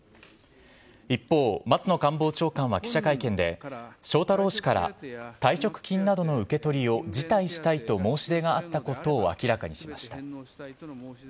一方、松野官房長官は記者会見で、翔太郎氏から退職金などの受け取りを辞退したいと申し出があったことを明らかにしました。